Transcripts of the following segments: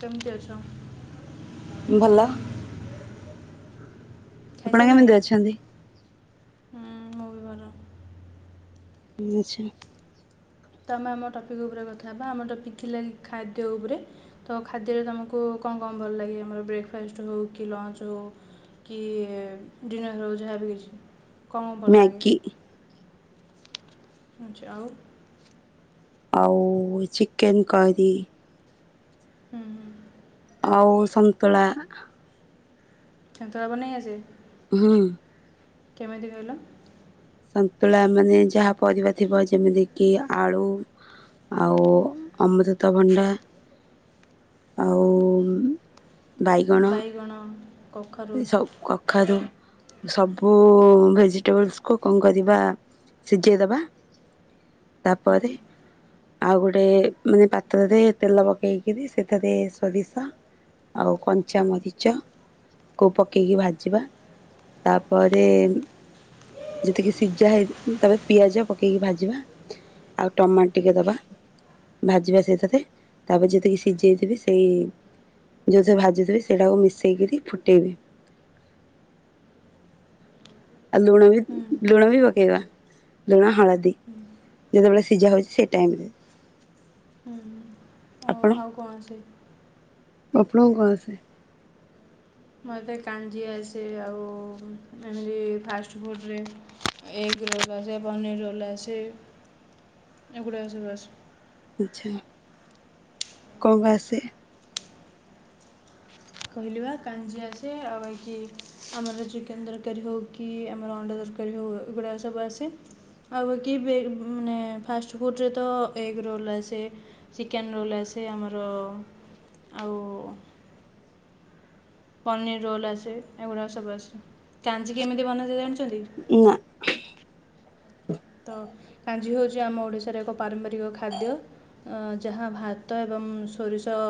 କେମିତି ଅଛ? ଭଲ। ଆପଣ ଖାଇସାରିଲଣି କେମିତି ଅଛନ୍ତି? ମୁଁ ବି ଭଲ ଉଁ ଆଚ୍ଛା। [unintelligible] ତ ଆମେ ଆମ ଟପିକ୍ ଉପରେ କଥା ହେବା ଆମ ଟପିକ୍ ଥିଲା କି ଖାଦ୍ୟ ଉପରେ। ତ ଖାଦ୍ୟରେ ତମକୁ କଣ କଣ ଭଲ ଲାଗେ, ଆମର ବ୍ରେକ୍ ଫାଷ୍ଟ୍ ହଉ କି ଲଞ୍ଚ୍ ହଉ। କି ଡିନର୍ ହଉ ଯାହା ବି କିଛି କଣ ଭଲ ଲାଗେ? ମ୍ୟାଗି ଆଛା ଆଉ ଆଉ ଚିକେନ୍ କରି। ହୁଁ ହୁଁ। ଆଉ ସନ୍ତୁଳା। ସନ୍ତୁଳା ବନେଇ ଆସେ? ହୁଁ। କେମିତି କହିଲ? ସନ୍ତୁଳା ମାନେ ଯାହା ପରିବା ଥିବ ଯେମିତିକି ଆଳୁ ଆଉ ଅମୃତ ଭଣ୍ଡା। ଆଉ ବାଇଗଣ। କଖାରୁ ଏ ସବୁ କଖାରୁୁ ସବୁ ଭେଜିଟେବଲସ କୁ କଣ କରିବା ସିଝେଇ ଦବା ତାପରେ ଆଉ ଗୋଟେ ମାନେ ପାତ୍ରରେ ତେଲ ପକେଇକିରି ସେଠାରେ ସୋରିଶ ଆଉ କଞ୍ଚାମରିଚ। କୁ ପକେଇକି ଭାଜିବା ତାପରେ ଯେତିକି ସିଝା ହେଇ ତାପରେ ପିଆଜ ପକେଇକି ଭାଜିବା। ଆଉ ଟମାଟ ଟିକେ ଦବା। ଭାଜିବା ସେଥିରେ ତାପରେ ଯେତିକି ସିଝେଇଥିବି ସେଇ ଯୋଉ ଥିରେ ଭାଜିଥିବି ସେଇଟାକୁ ମିଶେଇକିରି ଫୁଟେଇବି। ଆଉ ଲୁଣ ବି ଲୁଣ ବି ପକେଇବା। ଲୁଣ ହଳଦୀ ଯେତେବେଳେ ସିଝା ହଉଛି ସେ ଟାଇମରେ। ହୁଁ ଆଉ କଣ ଆସେ? ଅପଣ ଙ୍କୁ କଣ ଆସେ? ମତେ କାଞ୍ଜି ଆସେ ଆଉ ଏମିତି ଫାଷ୍ଟଫୁଡ଼ରେ ଏଗ ରୋଲ୍ ଆସେ, ପନିର୍ ରୋଲ ଆସେ ଏଗୁଡାକ ସବୁ ଆସେ। ଆଚ୍ଛା କଣକଣ ଆସେ? କହିଲି ବା କାଞ୍ଜିି ଆସେ ଆଉ ବାକି ଆମର ଚିକେନ ତରକାରୀ ହଉ କି ଆମର ଅଣ୍ଡା ତରକାରୀ ହଉ ଏଗୁଡ଼ା ସବୁ ଆସେ। ଆଉ ବାକି ମାନେ ଫାଷ୍ଟଫୁଡ଼ରେ ତ ଏଗ ରୋଲ୍ ଆସେ। ଚିକେନ ରୋଲ ଆସେ ଆମର ଆଉ ପନିର୍ ରୋଲ୍ ଆସେ ଏଗୁଡ଼ାକ ସବୁ ଆସେ। କାଞ୍ଜି କେମିତି ବନା ଯାଏ ଜାଣିଛନ୍ତି? ନା। ତ କାଞ୍ଜି ହଉଛି ଆମ ଓଡ଼ିଶାରେ ଏକ ପାରମ୍ପରିକ ଖାଦ୍ୟ। ଯାହା ଭାତ ଏବଂ ସୋରିଷ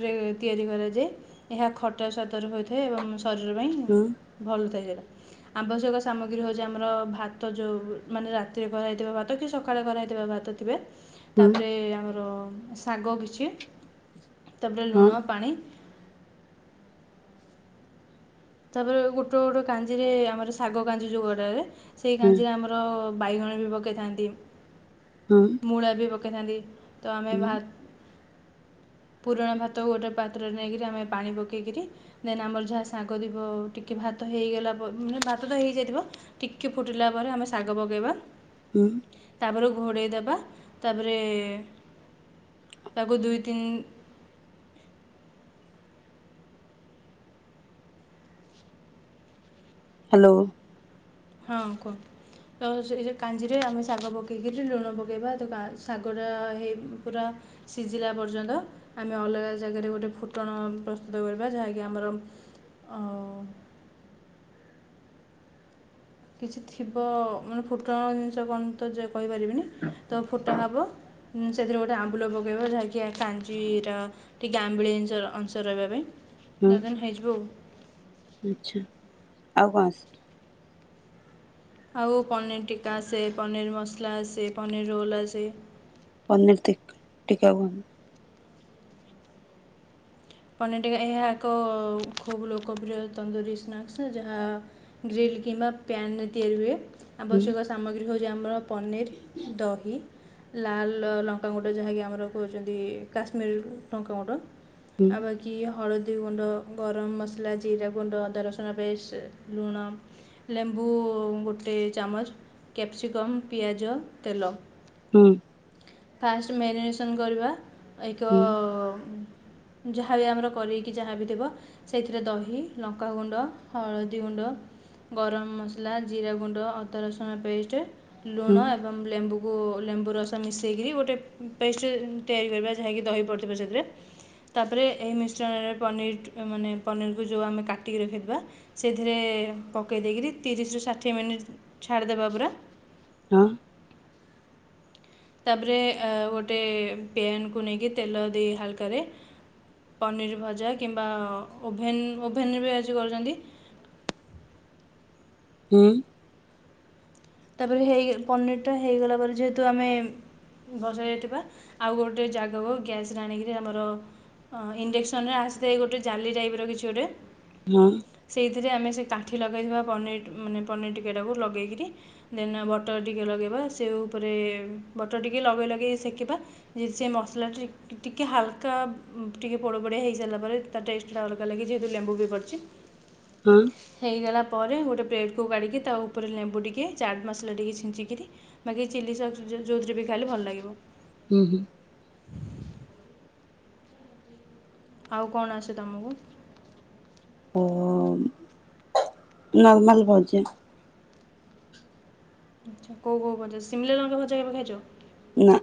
ରେ ତିଆରି କରାଯାଏ ଏହା ଖଟା ସ୍ୱାଦରୁ ହୋଇଥାଏ ଏବଂ ଶରୀର ପାଇଁ। ହୁଁ ଭଲ ଥାଏ ସେଇଟା, ଆବଶ୍ୟକ ସାମଗ୍ରୀ ହେଉଛି ଆମର ଭାତ ଭାତ ଯୋଉ ମାନେ ରାତିରେ କରାହେଇଥିବା ଭାତ କି ସକାଳେ କରାହେଇଥିବା ଭାତ ଥିବେ। ହୁଁ ତାପରେ ଆମର ଶାଗ କିଛି ତାପରେ ହଁ ଲୁଣ ପାଣି ତାପରେ ଗୋଟେ ଗୋଟେ କାଞ୍ଜି ରେ ଆମର ଶାଗ କାଞ୍ଜି ଯୋଉ କରା ହୁଏ, ସେଇ ହଁ କାଞ୍ଜି ରେ ଆମର ତ ବାଇଗଣ ବି ପକେଇଥାନ୍ତି। ହୁଁ। ମୂଳା ବି ପକେଇଥାନ୍ତି, ତ ଆମେ ଭା ପୁରୁଣା ଭାତ ଗୋଟେ ପାତ୍ରରେ ନେଇକରି ଆମେ ପାଣି ପକେଇକରି ଦେନ ଆମର ଯାହା ଶା କରିବ ଟିକେ ଭାତ ହେଇଗଲା ମାନେ ଭାତ ଟା ହେଇଯାଇଥିବ। ଟିକେ ଫୁଟିଲା ପରେ ଆମେ ଶାଗ ପକେଇବା। ହୁଁ। ତାପରେ ଘୋଡ଼େଇ ଦବା ତାପରେ ତାକୁ ଦୁଇ ତିନି ହ୍ୟାଲୋ। ହଁ କୁହନ୍ତୃ। ତ ସେ କାଞ୍ଜିରେ ଆମେ ଶାଗ ପକେଇକିରି ଲୁଣ ପକେଇବା ତ ଶାଗଟା ହେଇ ପୁରା ସିଝିଲା ପର୍ଯ୍ୟନ୍ତ। ଆମେ ଅଲଗା ଜାଗାରେ ଗୋଟେ ଫୁଟଣ ପ୍ରସ୍ତୁତ କରିବା ଯାହାକି ଆମର ଅ କିଛି ଥିବ ମାନେ ଫୁଟଣ ଜିନିଷ କଣ ତ ଯେ କଇପାରିବିନି ତ ଫୁଟା ହବ ସେଥିରେ ଗୋଟେ ଆମ୍ବୁଲ ପ ପକେଇବା ଯାହାକି କାଞ୍ଜି ର ଟିକେ ଆମ୍ବିଳିଆ ଅଂଶ ରହିବା ପାଇଁ। ତ ଦେନ୍ ହେଇଯିବୁ। ଆଛା ଆଉ କଣ? ଆଉ ପନିର୍ ଟିକା ଆସେ, ପନିର୍ ମସଲା ଆସେ, ପନି୍ର ରୋଲ୍ ଆସେ। ପନର୍ ଟିକ ଟୀକା ବୁ ପନିର୍ ଟିକା ଏହା ଏକ ଖୁବ୍ ଲୋକପ୍ରିୟ ତନ୍ଦୁରୀ ସ୍ନାକ୍ସ୍ ଯାହା ଗ୍ରୀିଲ କିମ୍ୱା ପ୍ୟାନ୍ ରେ ତିଆରି ହୁଏ। ଆବଶ୍ୟକ ହୁଁ ସାମଗ୍ରୀ ହେଉଛି ଆମର ପନିର୍, ଦହି ଲାଲ ଲଙ୍କାଗୁଣ୍ଡ ଯାହାକି ଆମର କହୁଛନ୍ତି କାଶ୍ମୀର ଲଙ୍କାଗୁଣ୍ଡ ଆଉ ବ କି ହଳଦୀ ଗୁଣ୍ଡ ଗରମ ମସଲା ଜିରା ଗୁଣ୍ଡ ଅଦା ରସୁଣ ପେଷ୍ଟ ଲୁଣ। ଲେମ୍ବୁ ଗୋଟେ ଚାମଚ କ୍ୟାପ୍ସିକମ୍ ପିଆଜ ତେଲ। ହୁଁ। ଫାଷ୍ଟ ମ୍ୟାରିନେସନ୍ କରିବା ଏଇକ ହୁଁ ଯାହାବି ଆମର କରିକି ଯାହାବି ଥିବ। ସେଇଥିରେ ଦହି ଲଙ୍କାଗୁଣ୍ଡ ହଳଦୀ ଗୁଣ୍ଡ। ଗରମ ମସଲା ଜିରା ଗୁଣ୍ଡ ଅଦା ରସୁଣ ପେଷ୍ଟ। ହୁଁ ଲୁଣ ଏବଂ ଲେମ୍ବୁକୁ ଲେମ୍ବୁ ରସ ମିଶି। ଦେଇକିରି ଗୋଟେ ପେଷ୍ଟ ତିଆରି କରିବା ଯାହାକି ଦହି ପଡ଼ିଥିବା ସେଥିରେ। ତାପରେ ଏହି ମିଶ୍ରଣରେ ପନିର୍ ମାନେ ପନିରକୁ ଯେଉଁ ଆମେ କାଟିକି ରଖିଥିବା। ସେଥିରେ ପକେଇ ଦେଇକରି ତିରିଶ ରୁ ଷାଠିଏ ମିନିଟ୍ ଛାଡ଼ି ଦେବା ପୁରା। ହଁ। ତାପରେ ଗୋଟେ ପେନ୍କୁ ନେଇକି ତେଲ ଦେଇ ହାଲକାରେ ପନିର ଭଜା କିମ୍ବା ଓଭେନ୍ ଓଭେନ୍ ବି ଆଜି କରୁଚନ୍ତି। ଉଁ। ତାପରେ ହେଇ ପନିର ଟା ହେଇଗଲା ପରେ ଯେହେତୁ ଆମେ ଵସେଇ ଦେଇଥିବା ଆଉ ଗୋଟେ ଜାଗକୁ ଗ୍ୟାସେ ରେ ଆଣିକିରି ଆମର ହଁ ଇଣ୍ଡକ୍ସନ ରେ ଆସେ ଗୋଟେ ଜାଲି ଟାଇପ୍ରର କିଛି ଗୋଟେ। ହଁ। ସେଇଥିରେ ଆମେ ସେ କାଠି ଲଗାଇଥିବା ପନିରି ମାନେ ପନିରି ଟିକାଟାକୁ ଲଗେଇ କିରି ଦେନ୍ ବଟର ଟିକେ ଲଗେଇବା ସେ ଉପରେ ବଟର ଟିକେ ଲଗେଇ ଲଗେଇ ସେକିବା। ଯେ ସେ ମସଲା ଟିକି ଟିକେ ହାଲକା, ଟିକେ ପୋଡ଼ ପୋଡ଼ିଆ ହେଇ ସାରିଲା ପରେ। ତା ଟେଷ୍ଟ ଟା ଅଲଗା ଲାଗେ ଯେହେତୁ ଲେମ୍ବୁ ବି ପଡ଼ିଚା ଆଁ। ହୋଇଇଗଲା ପରେ ଗୋଟେ ପ୍ଲେଟ କାଢ଼ିକି ତା ଉପରେ ଲେମ୍ବୁ ଟିକେ ଚାଟ୍ ମସଲା ଟିକେ ଛିଞ୍ଚି କିରି ବାକି ଚିଲି ସସ୍ ଯେଉଁଥିରେ ବି ଖାଇଲେ ଭଲ ଲାଗିବ। ହୁଁ ହୁଁ। ଆଉ କଣ ଆସେ ତମକୁ? ଓଁ ମ଼ ନର୍ମଲ ଭଜା। ଆଚ୍ଛା କେଉଁ କେଉଁ ଭଜା ସିମ୍ଲା ଲଙ୍କା ଭଜା କେବେ ଖାଇଚ? ନା।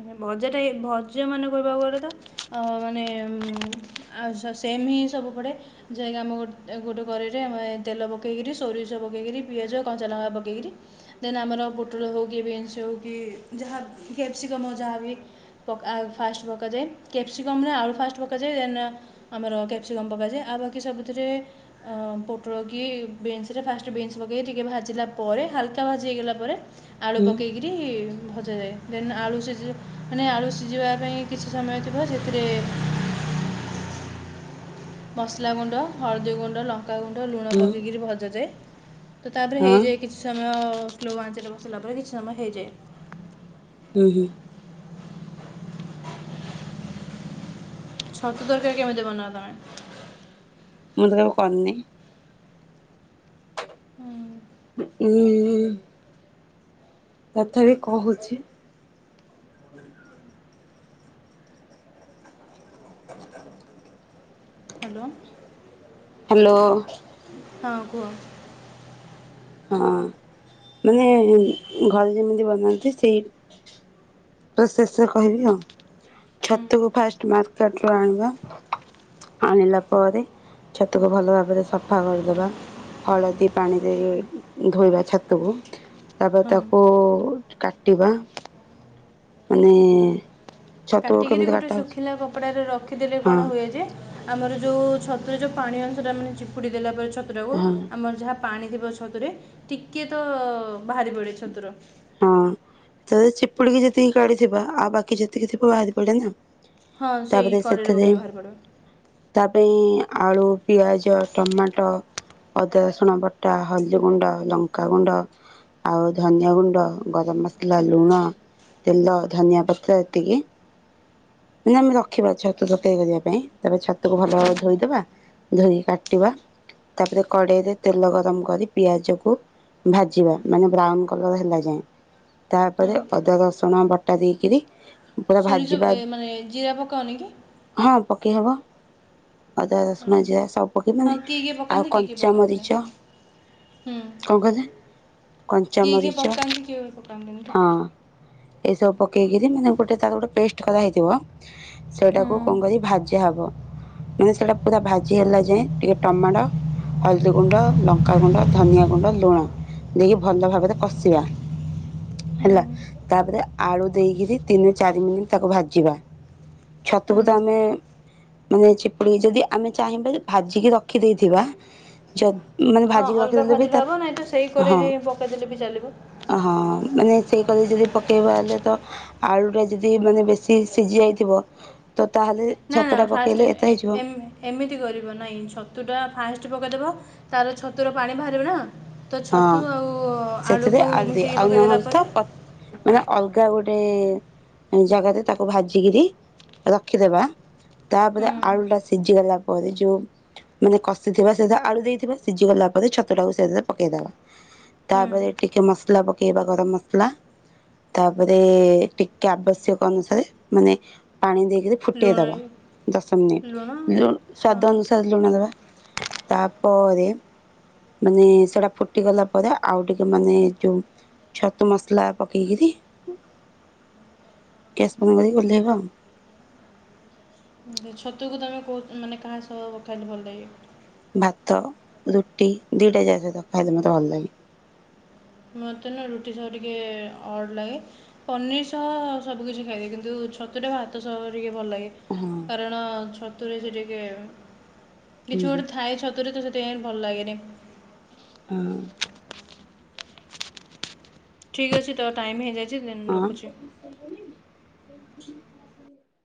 ମାନେ ଭଜା ଟା ଏ ଭଜା ମାନେ କହିବାକୁ ଗଲେ ତ। ଆଉଁ ମାନେ ଆଚ୍ଛା ସେମ୍ ହିଁ ସବୁ ପଡେ। ଯାହାକି ଆମ ଗୋ ଗୋଟେ କରେଇ ରେ ଆମେ ତେଲ ପକେଇକିରି ସୋରିଷ ପକେଇକରି ପିଆଜ କଞ୍ଚା ଲଙ୍କା ପକେଇ କିରି ଦେନ୍ ଆମର ପୋଟଳ ହଉ କି ବିନ୍ସ ହଉ କି ଯାହା କ୍ୟାପ୍ସିକମ୍ ଯାହାବି ପକା ଫାଷ୍ଟ ପକାଯାଏ କ୍ୟାପ୍ସିକମ୍ ଆଳୁ ଫାଷ୍ଟ ପକାଯାଏ ଦେନ୍ ଆମର କ୍ୟାପ୍ସିକମ୍ ପକାଯାଏ ଆଉ ବାକି ସବୁଥିରେ ହଁ ପୋଟଳ କିି ବିନ୍ସରେ ଫାଷ୍ଟ ବିନ୍ସ ପକେଇ ଟିକେ ଭାଜିଲା ପରେ ହାଲକା ଭାଜି ହେଇଗଲା ପରେ ଆଳୁ ହୁଁ ପକେଇକିରି ଭଜାଯାଏ। ଦେନ୍ ଆଳୁ ସିଜି ମାନେ ଆଳୁ ସିଝିବା ପାଇଁ କିଛି ସମୟ ଥିବ ସେଥିରେ ମସଲାଗୁଣ୍ଡ ହଳଦୀଗୁଣ୍ଡ ଲଙ୍କାଗୁଣ୍ଡ ଲୁଣ ହୁଁ ପକେଇକିରି ଭଜାଯାଏ ତ ତାପରେ ହଁ ହେଇଯାଏ। କିଛି ସମୟ ସ୍ଲୋ ବାଞ୍ଚରେ ବସିଲା ପରେ କିଛି ସମୟ ହେଇଯାଏ। ହୁଁ ହୁଁ। ଛତୁ ତରକାରୀ କେମିତି ବନାଅ ତମେ? ମୁଁ ତ କେବେ କର୍‌ନି। ହୁଁ ଉଁ ତଥାପି କହୁଚି। ହ୍ୟାଲୋ ହ୍ୟାଲୋ ହଁ କୁହ। ହଁ ମାନେ ଘରେ ଯେମିତି ବନାନ୍ତି ସେଇ ପ୍ରସେସରେ କହିବି ଆଉ। ହୁଁ ଛତୁକୁ ଫାଷ୍ଟ ମାର୍କେଟରୁ ଆଣିବା। ଆଣିଲା ପରେ ଛତୁକୁ ଭଲ ଭାବରେ ସଫା କରିଦବା। ହଳଦୀ ପାଣିରେ ଧୋଇବା ଛତୁକୁ। ତାପରେ ହଁ ତାକୁ କାଟିବା। ମାନେ ଛତୁ କାଟିକିରି କେମିତି ଗୋଟେ କାଟା ହଉଛି? ଶୁଖିଲା କପଡ଼ାରେ ରଖିଦେଲେ ହଁ କଣ ହୁଏ ଯେ? ଆମର ଯୋଉ ଛତୁରେ ଯୋଉ ପାଣି ଅଂଶଟା ମାନେ ଚିପୁଡି଼ ଦେଲା ପରେ ଛତୁ ଟାକୁ ହଁ ଆମର ଯାହା ପାଣି ଥିବ ଛତୁରେ ଟିକେ ତ ବାହାରି ପଡେ଼ ଛତୁର। ହଁ ତ ଚିପୁଡି଼କି ଯେତିକି କାଢି଼ଥିବା ଆଉ ବାକି ଯେତିକି ଥିବ ବାହାରି ପଡେ଼ ନା। ହଁ ସେଇ ତାପରେ କରେଇରେ ସେଥିରେ ପକେଇଲେ ବାହାରି ପଡି଼ବ। ତା ପାଇଁ ଆଳୁ, ପିଆଜ, ଟମାଟ ଅଦା ରସୁଣବଟା, ହଳଦୀଗୁଣ୍ଡ, ଲଙ୍କାଗୁଣ୍ଡ ଆଉ ଧନିଆଗୁଣ୍ଡ ଗରମ ମସଲା, ଲୁଣ, ତେଲ, ଧନିଆପତ୍ର ଏତିକି ମାନେ ଆମେ ରଖିବା ଛତୁ ତରକାରୀ କରିବା ପାଇଁ ତାପରେ ଛତୁକୁ ଭଲ ହୁଁ ଭାବରେ ଧୋଇଦବା। ଧୋଇକି କାଟିବା ତାପରେ କଡେ଼ଇରେ ତେଲ ଗରମ କରି ପିଆଜକୁ ଭାଜିବା ମାନେ ବ୍ରାଉନ କଲର ହେଲା ଯାଏଁ। ହଁ ତାପରେ ଅଦାରସୁଣ ବଟା ଦେଇକିରି ପୁରା ସୋରିଷ ଭାଜିବା ଏ ମାନେ ଜିରା ପକାଅନି କି? ହଁ ପକେଇହବ। ଅଦା, ହଁ ରସୁଣ, ଜିରା ସବୁ ପକେଇ ମାନେ ହଁ କିଏ କିଏ ଆଉ ପକାନ୍ତି କିଏ କିଏ ପକାନ୍ତିନି କଞ୍ଚାମରିଚ ହୁଁ କଣ କହିଲେ। କିଏ କିଏ କଞ୍ଚାମରିଚ ପକାନ୍ତି କିଏ ପକାନ୍ତିନି ତ ହଁ। ଏସବୁ ପକେଇକିରି ମାନେ ଗୋଟେ ତାର ଗୋଟେ ପେଷ୍ଟ କରାହେଇଥିବ। ହୁଁ ସେଇଟାକୁ କଣ କରି ଭାଜା ହବ, ମାନେ ସେଇଟା ପୁରା ଭାଜି ହେଲା ଯାଏଁ ଟିକେ ଟମାଟୋ ହଳଦୀ ଗୁଣ୍ଡ, ଲଙ୍କା ଗୁଣ୍ଡ, ଧନିଆ ଗୁଣ୍ଡ, ଲୁଣ ଦେଇକି ଭଲ ଭାବରେ କଷିବା। ହୁଁ ହେଲା। ତାପରେ ଆଳୁ ଦେଇକିରି ତିନି ଚାରି ମିନିଟ୍ ତାକୁ ଭାଜି ଜିବା ହୁଁ ଛତୁକୁ ତ ଆମେ ମାନେ ଚିପୁଡି଼କି ଯଦି ଆମେ ଚାହିଁବା ଭାଜିକି ରଖିଦେଇଥିବା। ଯଦ ହଁ ଅଲଗା ଭାଜିଲେ ହବ ନାଇଁ ତ ସେଇ କରେଈରେ‌ ହିଁ ପକେଇଦେଲେ ବି ଚାଲିବ? ଅହଁ ମାନେ ସେଇ କରେଈରେ ଯଦି ପକେଇବା ହେଲେ ତ ଆଳୁ ଟା ଯଦି ମାନେ ବେଶ ସି ସିଝି ଯାଇଥିବ ତ ତାହେଲେ ନା ନା ଛତୁଟା ଫାଷ୍ଟ ପକେଇଲେ ଏତେ ହେଇଯିବ। ଏମିତି କରିବ ନାଇଁ ଛତୁଟା ଫାଷ୍ଟ ପକାଇଦେବ ତାର ଛତୁର ପାଣି ବାହାରିବ ନା। ତ ହଁ ଛତୁ ଆଉ ସେଥିରେ ଆଳୁକୁ ଆଳୁ ଦିଏ ମିଶେଇକି ଆଉ ପକାଇଦେଲା ନହେଲେ ତ ପରେ ପ ମାନେ ଅଲଗା ଗୋଟେ ଜାଗାରେ ତାକୁ ଭାଜିକିରି ରଖିଦେବା ତାପରେ ହୁଁ ଆଳୁଟା ସିଝି ଗଲା ପରେ ଯୋଉ ମାନେ କଷିଥିବା ସେଇଟା ଆଳୁ ଦେଇଥିବା ସିଝି ଗଲା ପରେ ଛତୁ ଟାକୁ ସେ [unintelligible] ପକେଇଦବା ହୁଁ ତାପରେ ଟିକେ ମସଲା ପକେଇବା ଗରମ ମସଲା। ତାପରେ ଟିକେ ଆବଶ୍ୟକ ଅନୁସାରେ ମାନେ ପାଣି ଦେଇକିରି ଲୁଣ ଫୁଟେଇଦବା ଦଶ ଲୁଣ ମିନିଟି ଯୋଉ ହଁ ସ୍ଵାଦ ଅନୁସାରେ ଲୁଣ ଦେବା ତାପରେ ଉଁ ସେଇଟା ଫୁଟିଗଲା ପରେ ଆଉ ଟିକେ ମାନେ ଯୋଉ ଛତୁ ମସଲା ପକେଇ କିରି ଗ୍ୟାସ ବନ୍ଦ କରିକି ଓହ୍ଲାଇଵା ଆଉ। ହୁଁ ଛତୁକୁ ତୁମେ କଉ ମାନେ କାହା ସହ ଖାଇଲେ ଭଲ ଲାଗେ। ଭାତ, ରୁଟି ଦିଟା ଯାକ ସହ ଖାଇଲେ ମତେ ଭଲ ଲାଗେ। ମତେ ନା ରୁଟି ସହ ଟିକେ ଅର୍ଡ଼ ଲାଗେ। ପନିର ସହ ସବୁ କିିଛି ଖାଇବି। କିନ୍ତୁ ଛତୁଟା ଭାତ ସହ ଟିକେ ଭଲ ଲାଗେ। ହୁଁ। କାରଣ ଛତୁରେ ସେ ଟିକେ କିଛି ହୁଁ ଗୋଟେ ଥାଏ ଛତୁରେ ତ ସେଥିପାଇଁ ଭଲ ଲାଗେନି। ଉଁ। ଠିକ୍ ଅଛି ତ ଟାଇମ୍ ହେଇଯାଇଛି ଦେନ୍ ରଖୁଚି। ତାପ ଏ [unintelligible]